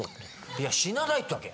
「いや死なない」って言うわけ。